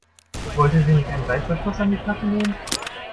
Wollte sie sich nicht einen Reißverschluss an die Tasche nähen?